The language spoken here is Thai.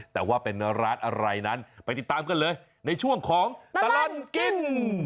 แต่ว่าเป็นร้านอะไรนั้นไปติดตามกันเลยในช่วงของตลอดกิน